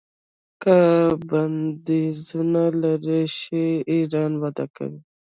که بندیزونه لرې شي ایران وده کوي.